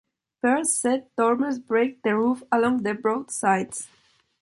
Paired shed dormers break the roof along the broad sides.